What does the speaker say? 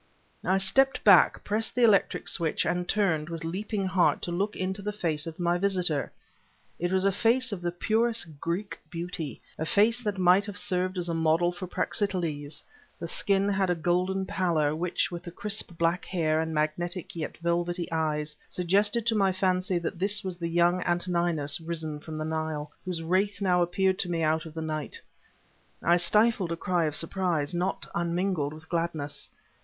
I stepped back, pressed the electric switch, and turned, with leaping heart, to look into the face of my visitor. It was a face of the purest Greek beauty, a face that might have served as a model for Praxiteles; the skin had a golden pallor, which, with the crisp black hair and magnetic yet velvety eyes, suggested to my fancy that this was the young Antinious risen from the Nile, whose wraith now appeared to me out of the night. I stifled a cry of surprise, not unmingled with gladness.